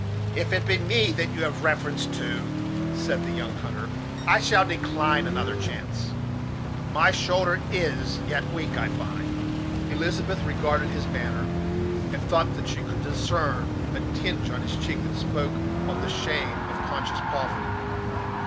"If it be me that you have reference to," said the young hunter, "I shall decline another chance. My shoulder is yet weak, I find." Elizabeth regarded his manner, and thought that she could discern a tinge on his cheek that spoke the shame of conscious poverty.